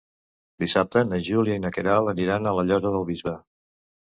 Dissabte na Júlia i na Queralt aniran a la Llosa del Bisbe.